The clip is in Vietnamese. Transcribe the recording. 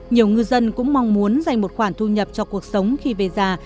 nhiều ngư dân cũng mong muốn dành một khoản thu nhập cho cuộc sống khi về già